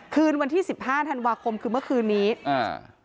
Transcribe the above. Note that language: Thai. คืนวันที่สิบห้าธันวาคมคือเมื่อคืนนี้อ่า